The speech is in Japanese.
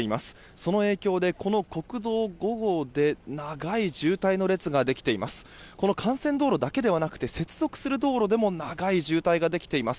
その影響でこの国道５号で長い渋滞の列ができています。